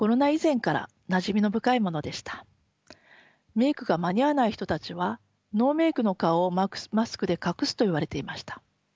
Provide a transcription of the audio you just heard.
メークが間に合わない人たちはノーメークの顔をマスクで隠すといわれていました。